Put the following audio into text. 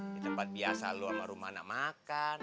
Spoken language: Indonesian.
di tempat biasa lo sama rumah anak makan